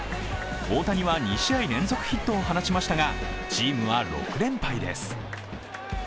大谷は２試合連続ヒットを放ちましたが、チームは６連敗です。